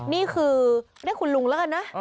นี่คือได้คุณลุงแล้วกันนะ